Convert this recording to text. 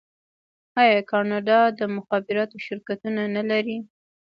آیا کاناډا د مخابراتو شرکتونه نلري؟